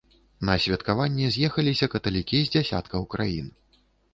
На святкаванне з'ехаліся каталікі з дзесяткаў краін.